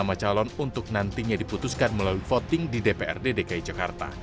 nama calon untuk nantinya diputuskan melalui voting di dprd dki jakarta